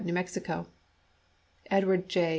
Mex.) ; Edward J.